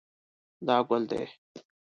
دا ګل دی